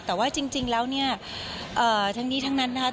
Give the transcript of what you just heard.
แต่ว่าจริงแล้วเนี่ยทั้งนี้ทั้งนั้นนะคะ